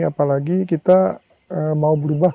apalagi kita mau berubah